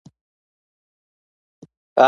او مسوولیت یې د دوی په غاړه دی.